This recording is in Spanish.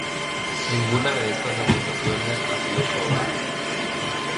Ninguna de estas acusaciones ha sido probada.